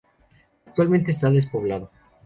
Actualmente está despoblado.